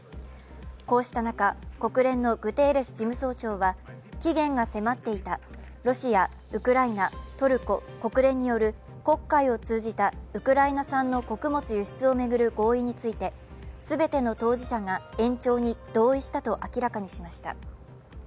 こうした中、国連のグテーレス事務総長は、期限が迫っていたロシア、ウクライナ、トルコ、国連による黒海を通じたウクライナ産の穀物輸出を巡る合意について全ての当事者が延長に同意したと明らかにしました。